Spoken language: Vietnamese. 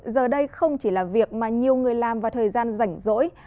giờ đây không chỉ là việc mà nhiều người làm và thời gian rảnh rỗi